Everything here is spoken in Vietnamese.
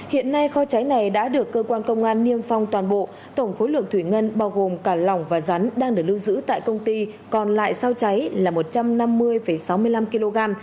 hiện nay kho cháy này đã được cơ quan công an niêm phong toàn bộ tổng khối lượng thủy ngân bao gồm cả lỏng và rắn đang được lưu giữ tại công ty còn lại sau cháy là một trăm năm mươi sáu mươi năm kg